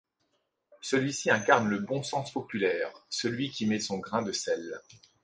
Celui-ci incarne le bon sens populaire, celui qui met son grain de sel.